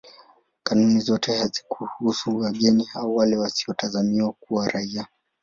Kanuni zote hazikuhusu wageni au wale wasiotazamiwa kuwa raia.